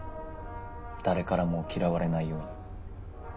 誰からも嫌われないように。